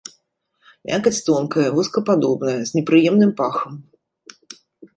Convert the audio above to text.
Мякаць тонкая, воскападобная, з непрыемным пахам.